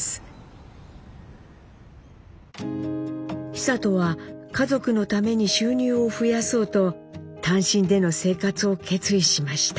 久渡は家族のために収入を増やそうと単身での生活を決意しました。